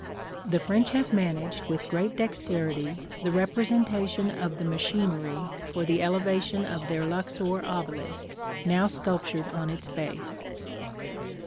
The French have managed, with great dexterity, the representation of the machinery for the elevation of their Luxor obelisk, now sculptured on its base.